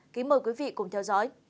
kính mời quý vị cùng theo dõi